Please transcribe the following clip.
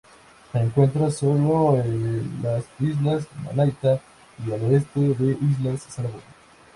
Se encuentra solo en las islas Malaita, en el oeste de islas Salomón.